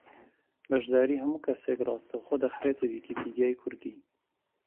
بەشداریی ھەموو کەسێک ڕاستەوخۆ دەخرێتە ویکیپیدیای کوردی